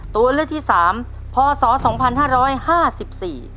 ตัวเลือดที่๓พศ๒๕๕๔